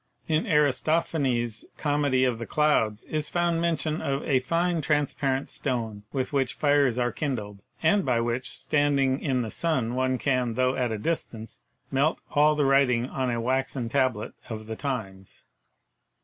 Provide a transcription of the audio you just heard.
In Aris tophanes' comedy of The Clouds is found mention of "a fine transparent stone with which fires are kindled," and by which, standing in the sun, one can, "tho at a distance,, melt all the writing" on a waxen tablet of the times.